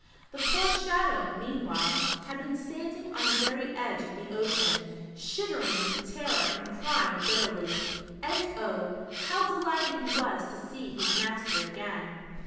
The poor Shadow, meanwhile, had been standing on the ver}' edge of the ocean, shivering with terror and crving bitterly, and oh, how delighted he was to see his master again.